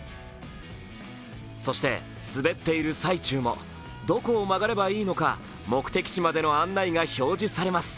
そして滑っている最中も、どこを曲がればいいのか目的地までの案内が表示されます。